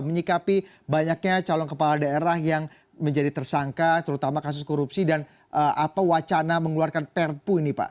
menyikapi banyaknya calon kepala daerah yang menjadi tersangka terutama kasus korupsi dan apa wacana mengeluarkan perpu ini pak